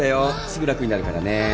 すぐ楽になるからね。